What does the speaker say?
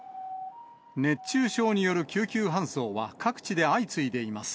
熱中症による救急搬送は各地で相次いでいます。